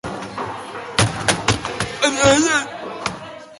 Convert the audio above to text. Gaur egungo umeek ez dute Eitb hiru batere estimatzen.